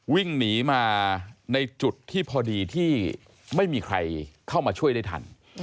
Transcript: วิ่งหนีมาในจุดที่พอดีที่ไม่มีใครเข้ามาช่วยได้ทัน